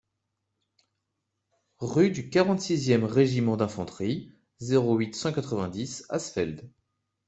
Rue du quarante-six e R.un., zéro huit, cent quatre-vingt-dix Asfeld